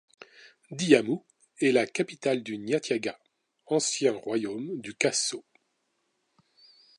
Diamou est la capitale du Niatiaga, ancien royaume du Khasso.